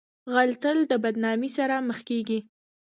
غل تل د بدنامۍ سره مخ کیږي